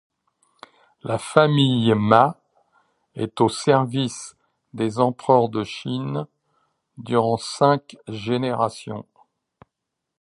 La famille Ma est au service des empereurs de Chine durant cinq générations.